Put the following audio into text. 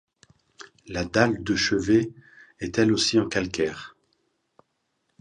La dalle de chevet est elle aussi en calcaire.